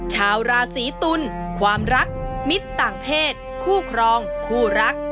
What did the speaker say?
ชาวราศีตุลความรักมิตรต่างเพศคู่ครองคู่รัก